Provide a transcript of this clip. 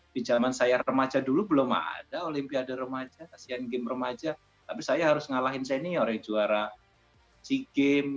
di zaman saya remaja dulu belum ada olimpiade remaja asian game remaja tapi saya harus ngalahin senior yang juara sea games